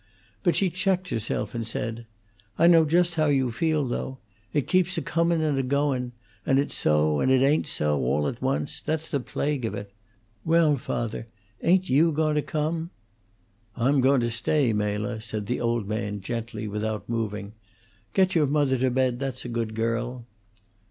But she checked herself and said: "I know just how you feel, though. It keeps acomun' and agoun'; and it's so and it ain't so, all at once; that's the plague of it. Well, father! Ain't you goun' to come?" "I'm goin' to stay, Mela," said the old man, gently, without moving. "Get your mother to bed, that's a good girl."